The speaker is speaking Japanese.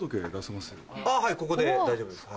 はいここで大丈夫です。